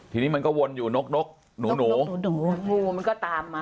ทีนี้มันก็วนอยู่นกนกหนูหนูงูมันก็ตามมา